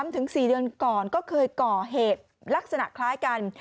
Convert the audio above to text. ๓ถึง๔เดือนก่อนเกลอผิดเหตุลักษณะคล้ายกัน